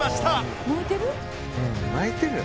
「泣いてる？」